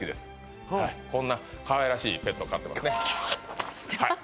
こんなかわいらしいペット飼ってますねはい